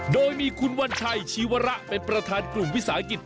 โดยมีคุณวัญชัยชีวระเป็นประธานกลุ่มวิสาหกิจ